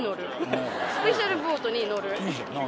スペシャルボートに乗る。